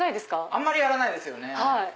あんまりやらないですよね。